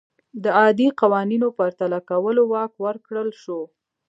د عادي قوانینو پرتله کولو واک ورکړل شو.